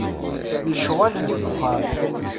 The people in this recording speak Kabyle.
Lecɣal-nni n uxxam.